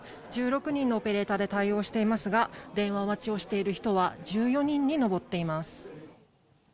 １６人のオペレーターで対応していますが、電話待ちをしている人は１４人に上っています。